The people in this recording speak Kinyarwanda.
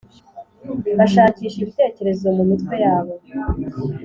bashakisha ibitekerezo mumitwe yabo